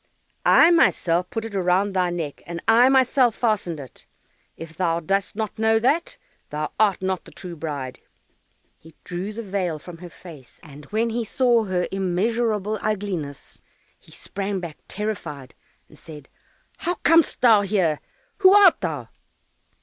"I myself put it round thy neck, and I myself fastened it; if thou dost not know that, thou art not the true bride." He drew the veil from her face, and when he saw her immeasurable ugliness, he sprang back terrified, and said, "How comest thou here? Who art thou?"